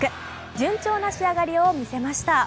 順調な仕上がりを見せました。